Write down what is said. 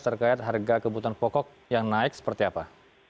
terkait harga kebutuhan pokok yang naik seperti apa